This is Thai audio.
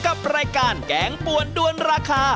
กับรายการแกงปวนด้วนราคา